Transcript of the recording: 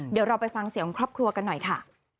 เดี๋ยวเราไปฟังเสียงของครอบครัวกันหน่อยค่ะ